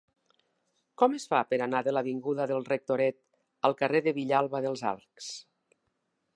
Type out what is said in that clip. Com es fa per anar de l'avinguda del Rectoret al carrer de Vilalba dels Arcs?